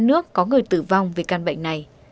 năm mươi hai nước có người tử vong vì căn bệnh này